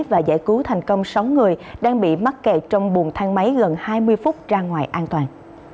và giải cứu thành công sáu người đang bị mắc kẹt trong buồng thang máy gần hai mươi phút ra ngoài an toàn